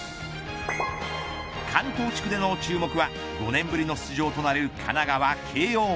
関東地区での注目は５年ぶりの出場となる神奈川慶応。